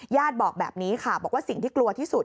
บอกแบบนี้ค่ะบอกว่าสิ่งที่กลัวที่สุด